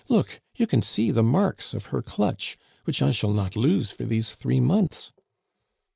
Look, you can see the marks of her clutch, which I shall not lose for these three months."